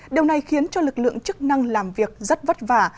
điều này khiến cho lực lượng chức năng làm việc rất vất vả